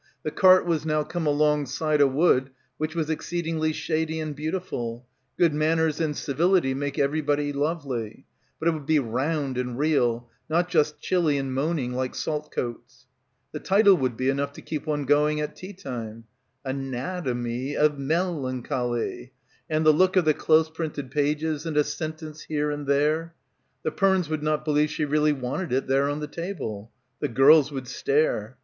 . "the cart was now come alongside a wood which was exceedingly shady and beautiful"; "good man ners and civility make everybody lovely"; but it would be round and real, not just chilly and moaning like "Saltcoats." The title would be enough to keep one going at tea time. hnat — omy of Mel — ancholy, and the look of the close printed pages and a sentence here and there. The Pernes would not believe she really wanted it there on the table. The girls would stare.